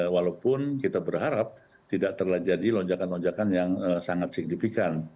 walaupun kita berharap tidak terjadi lonjakan lonjakan yang sangat signifikan